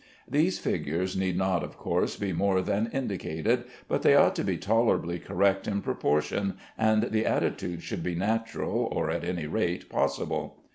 These figures need not, of course, be more than indicated, but they ought to be tolerably correct in proportion, and the attitudes should be natural, or at any rate possible.